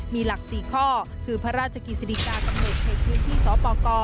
มีหลัก๔ข้อคือพระราชกฤษฎิกากำหนดในพื้นที่สปก